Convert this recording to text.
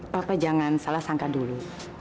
bapak jangan salah sangka dulu